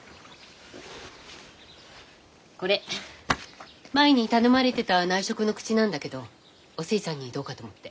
これ前に頼まれてた内職の口なんだけどお寿恵ちゃんにどうかと思って。